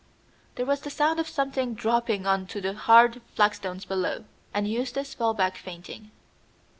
There was the sound of something dropping on to the hard flagstones below, and Eustace fell back fainting.